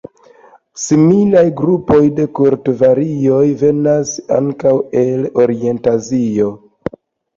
Similaj grupoj de kulturvarioj venas ankaŭ el orienta Azio.